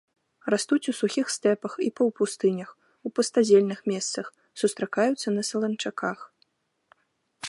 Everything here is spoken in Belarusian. Растуць у сухіх стэпах і паўпустынях, у пустазельных месцах, сустракаюцца на саланчаках.